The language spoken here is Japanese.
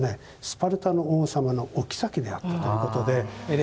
スパルタの王様のお妃であったということで。